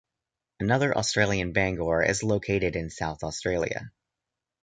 Another Australian Bangor is located in South Australia.